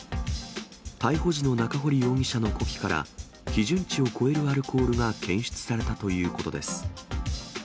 逮捕時の中堀容疑者の呼気から、基準値を超えるアルコールが検出されたということです。